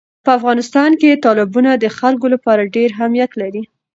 په افغانستان کې تالابونه د خلکو لپاره ډېر اهمیت لري.